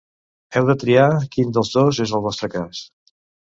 Heu de triar quin dels dos és el vostre cas.